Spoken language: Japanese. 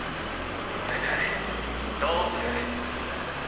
それでどうする？